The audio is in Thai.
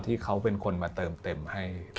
ที่เขาเป็นคนมาเติมเต็มให้